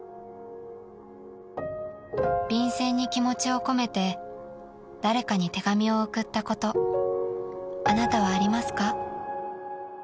［便箋に気持ちを込めて誰かに手紙を送ったことあなたはありますか？］